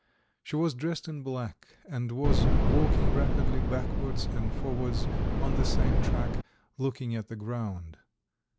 She was dressed in black, and was walking rapidly backwards and forwards on the same track, looking at the ground.